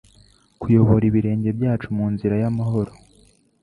kuyobora ibirenge byacu mu nzira y'amahoro.''